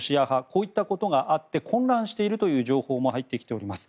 こういったことがあって混乱しているという情報も入ってきています。